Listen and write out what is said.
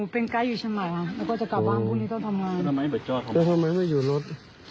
ผมจะไปชมม่าอ่ะเขาไม่ได้อยู่รถ